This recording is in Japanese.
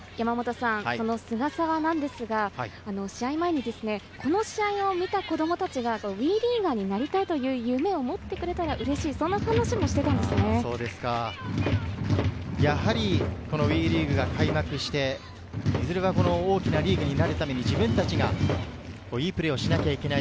菅澤ですが、試合前にこの試合を見た子供たちがＷＥリーガーになりたいという夢を持ってくれたらうれしいとお話ＷＥリーグが開幕して、いずれは大きなリーグになるために、自分たちがいいプレーをしなければいけない